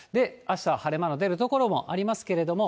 あしたは晴れ間の出る所もありますけれども。